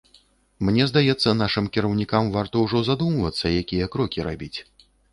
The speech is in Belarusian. Мне здаецца, нашым кіраўнікам варта ўжо задумвацца, якія крокі рабіць.